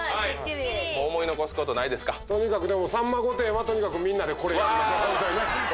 とにかく『さんま御殿‼』はみんなでこれやりましょう。